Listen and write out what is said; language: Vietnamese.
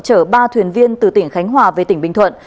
chở ba thuyền viên từ tỉnh khánh hòa về tỉnh bình thuận